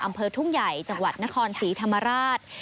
อำเภอทุ่งใหญ่จังหวัดนครศรีธรรมราช